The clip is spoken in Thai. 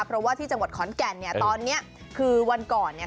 เพราะว่าที่จังหวัดขอนแก่นเนี่ยตอนเนี้ยคือวันก่อนเนี่ย